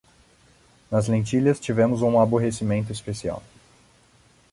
Nas lentilhas, tivemos um aborrecimento especial.